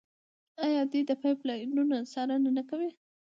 آیا دوی د پایپ لاینونو څارنه نه کوي؟